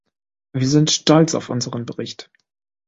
Wir sind stolz auf unseren Bericht.